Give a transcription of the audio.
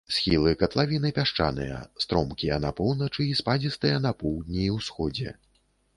Схілы катлавіны пясчаныя, стромкія на поўначы і спадзістыя на поўдні і ўсходзе.